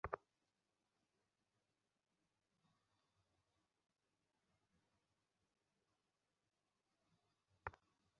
অনেকেই টিকফা নিয়ে নানা সংশয় প্রকাশ করছেন, নানা আশঙ্কা প্রকাশ করছেন।